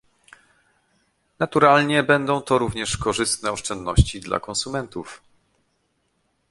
Naturalnie, będą to również korzystne oszczędności dla konsumentów